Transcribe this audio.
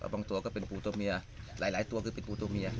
บางตัวก็เป็นปูตัวเมียหลายตัวคือเป็นปูตัวเมีย